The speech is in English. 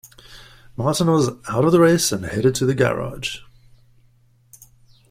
Martin was out of the race and headed to the garage.